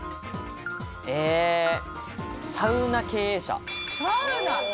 サウナー経営者。